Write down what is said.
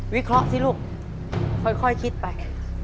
วิเคราะห์สิลูกค่อยคิดไป